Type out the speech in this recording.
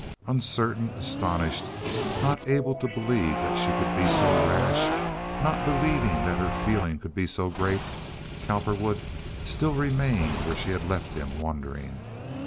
Uncertain, astonished, not able to believe that she could be so rash, not believing that her feeling could be so great, Cowperwood still remained where she had left him wondering.